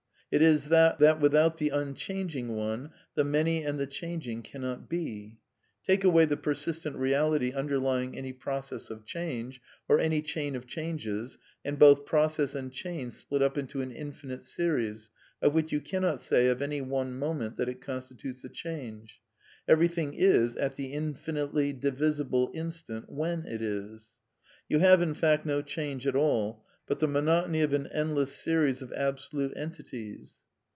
It is that, that without the unchanging One, the many and the dbanging cannot be. Take away the persistent reality underlying any process of change, or any chain of changes; and both process and chain split up into an in finite series, of which you cannot say of any one moment that it constitutes a change. Everything is at the in finitely divisible instant when it is. You have, in fact, no change at all, but the monotony of an endless series of absolute entities.